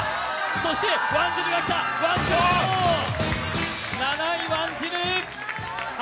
そしてワンジルが来た、７位ワンジル。